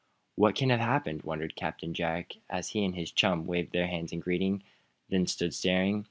"What can have happened?" wondered Captain Jack, as he and his chum waved their hands in greeting; then stood staring.